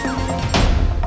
mbak andin mau ke panti